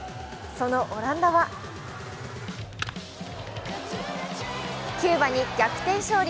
そのオランダはキューバに逆転勝利、